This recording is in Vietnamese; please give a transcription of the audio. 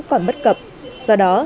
còn bất cập do đó